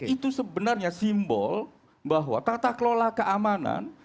itu sebenarnya simbol bahwa tata kelola keamanan